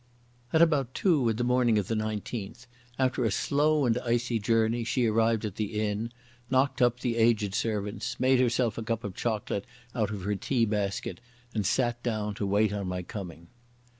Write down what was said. At about two in the morning of the 19th after a slow and icy journey she arrived at the inn, knocked up the aged servants, made herself a cup of chocolate out of her tea basket and sat down to wait on my coming.